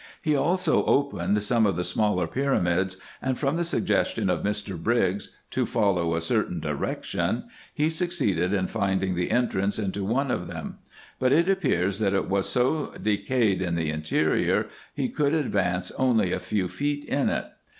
He also opened some of the smaller pyramids, and from the suggestion of Mr. Briggs to follow a certain direction, he succeeded in finding the entrance into one of them : but it appears, that it was so de cayed in the interior, he could advance only a feAv feet in it.